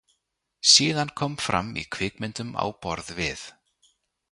Kom síðan fram í kvikmyndum á borð við.